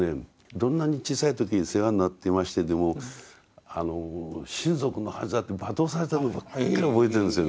どんなに小さい時に世話になっていましてでも親族の恥だって罵倒されたことばっかり覚えてるんですよ。